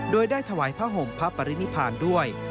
โดยได้ถวายผ้าห่มพระปรินิพานด้วย